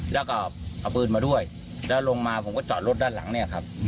แล้วก็เอาปืนมาด้วยแล้วลงมาผมก็จอดรถด้านหลังเนี่ยครับ